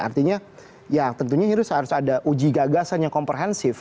artinya ya tentunya harus ada uji gagasan yang komprehensif